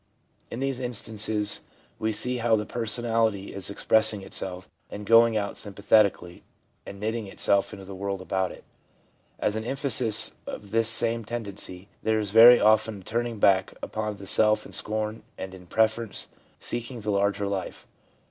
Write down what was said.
In these instances we see how the personality is expressing itself, and going out sym pathetically, and knitting itself into the world about it. As an emphasis of this same tendency, there is very often a turning back upon the self in scorn and, in preference, seeking the larger life.